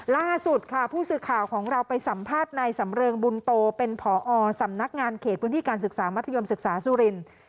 ล่าสุดค่ะผู้สื่อข่าวของเราไปสัมภาษณ์ในสำเริงบุญโตเป็นผอสำนักงานเขตพื้นที่การศึกษามัธยมศึกษาสุรินทร์